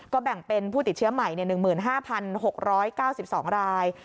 แบ่งเป็นผู้ติดเชื้อใหม่๑๕๖๙๒ราย